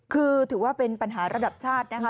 คือถือว่าเป็นปัญหาระดับชาตินะคะ